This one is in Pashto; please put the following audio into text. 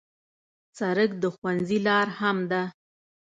سړک د ښوونځي لار هم ده.